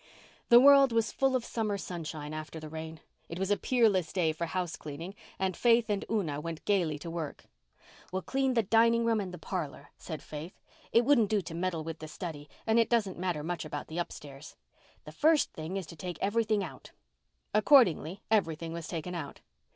The world was full of summer sunshine after the rain. It was a peerless day for house cleaning and Faith and Una went gaily to work. "We'll clean the dining room and the parlour," said Faith. "It wouldn't do to meddle with the study, and it doesn't matter much about the upstairs. The first thing is to take everything out." Accordingly, everything was taken out.